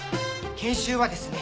研修はですね